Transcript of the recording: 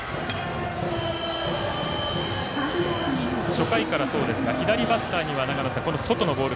初回からそうですが左バッターへの外のボール